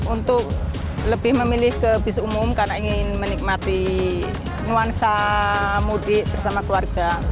untuk lebih memilih ke bus umum karena ingin menikmati nuansa mudik bersama keluarga